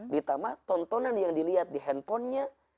ditambah tontonan yang dilihat di handphonenya